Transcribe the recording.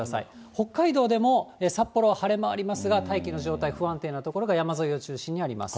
北海道でも札幌は晴れ間ありますが、大気の状態不安定な所が山沿いを中心にあります。